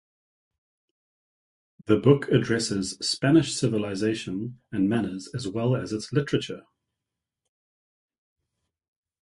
The book addresses Spanish civilization and manners as well as its literature.